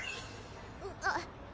あっ。